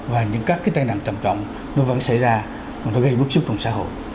và những các cái tai nạn tầm trọng nó vẫn xảy ra và nó gây mức sức trong xã hội